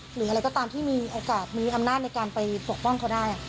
หรืออะไรก็ตามที่มีโอกาสมีอำนาจในการไปปกป้องเขาได้